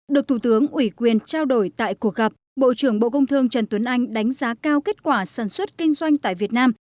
được thủ tướng ủy quyền trao đổi tại cuộc gặp bộ trưởng bộ công thương trần tuấn anh đánh giá cao kết quả sản xuất kinh doanh tại việt nam